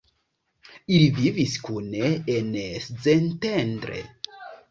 Ili vivis kune en Szentendre.